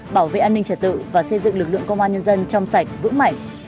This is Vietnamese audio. bảo vệ an ninh trật tự và xây dựng lực lượng công an nhân dân trong sạch vững mạnh